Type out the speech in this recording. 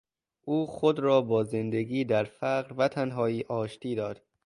او خود را با زندگی در فقر و تنهایی آشتی داد.